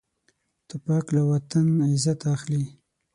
توپک له وطن عزت اخلي.